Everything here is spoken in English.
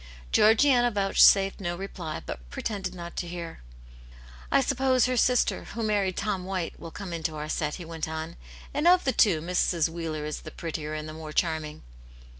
Georgiana vouchsafed no reply, but pretended not to hear. " I suppose her sister, who married Tom White, will come into our set," he went on. " And of the two, Mrs. Wheeler is the prettier and the more charming."